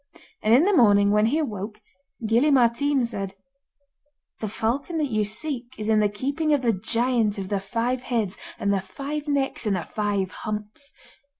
And in the morning, when he awoke, Gille Mairtean said: 'The falcon that you seek is in the keeping of the Giant of the Five Heads, and the Five Necks, and the Five Humps.